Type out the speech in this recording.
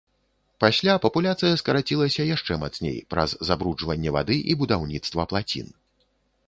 Пасля папуляцыя скарацілася яшчэ мацней праз забруджванне вады і будаўніцтва плацін.